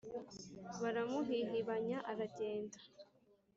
Baramuhihibanya aragenda.